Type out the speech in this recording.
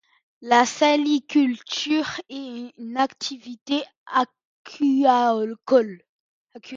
La saliculture est une activité aquacole.